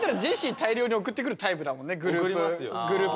大量に送ってくるタイプだもんねグループ。